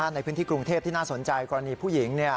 ในพื้นที่กรุงเทพที่น่าสนใจกรณีผู้หญิง